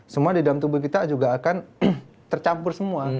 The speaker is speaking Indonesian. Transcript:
semua di dalam tubuh kita juga akan tercampur semua